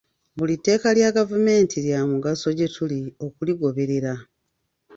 Buli tteeka lya gavumenti lya mugaso gye tuli okuligoberera.